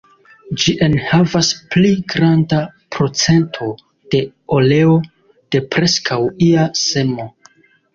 Ĝi enhavas pli granda procento de oleo de preskaŭ ia semo.